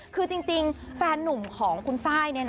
คือจริงแล้วแฟนนุมของคุณไฟด์